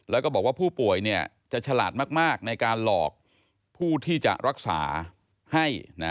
แล้วก็บอกว่าผู้ป่วยจะฉลาดมากในการหลอกผู้ที่จะรักษาให้